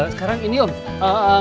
sekarang ini om ngeram mendadak